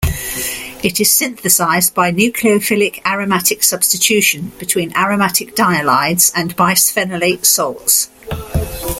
It is synthesized by nucleophilic aromatic substitution between aromatic dihalides and bisphenolate salts.